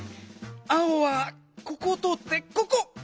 青はここをとおってここ。